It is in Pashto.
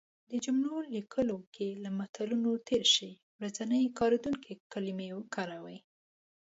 د جملو لیکلو کې له متلونو تېر شی. ورځنی کارېدونکې کلمې وکاروی